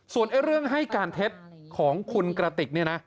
ส่วนเรื่องให้การเท็จของคุณกระติกเนี่ยนะ